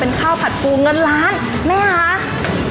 ข้าวผัดปูเงินล้านแม่คะ